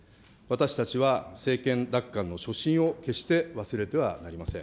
私たちは政権奪還の初心を決して忘れてはなりません。